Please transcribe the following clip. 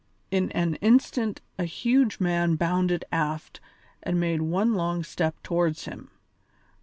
In an instant a huge man bounded aft and made one long step towards him.